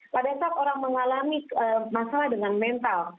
pada saat orang mengalami masalah dengan mental